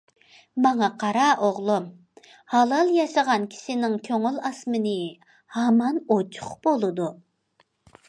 ماڭا قارا ئوغلۇم، ھالال ياشىغان كىشىنىڭ كۆڭۈل ئاسمىنى ھامان ئوچۇق بولىدۇ.